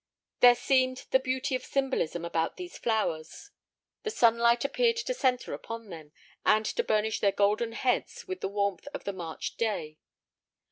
There seemed the beauty of symbolism about these flowers. The sunlight appeared to centre upon them, and to burnish their golden heads with the warmth of the March day.